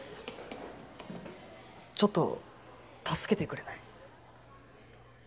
ちょっと助けてくれない？